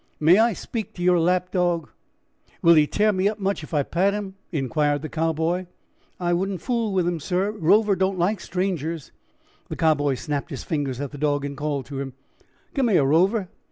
"May I speak to your lap dog? Will he tear me up much if I pat him?" inquired the Cowboy. "I wouldn't fool with him, sir; Rover don't like strangers." The Cowboy snapped his fingers at the dog and called to him: "Come here, Rover."